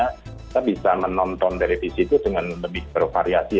kita bisa menonton televisi itu dengan lebih bervariasi